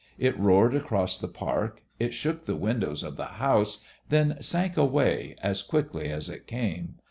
It roared across the park, it shook the windows of the house, then sank away as quickly as it came.